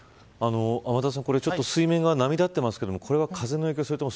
天達さん水面が波立っていますがこれは風の影響、それとも